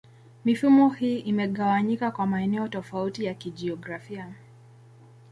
Mifumo hii imegawanyika kwa maeneo tofauti ya kijiografia.